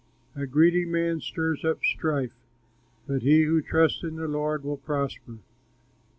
A greedy man stirs up strife, But he who trusts in the Lord will prosper.